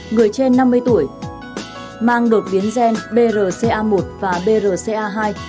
người trên năm mươi tuổi mang đột biến gen brca một và brca hai